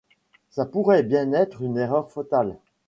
ça pourrait bien être une erreur fatale.